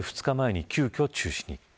２日前に急きょ中止に。